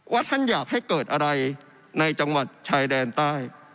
ท่านอยากให้เกิดอะไรในจังหวัดชายแดนใต้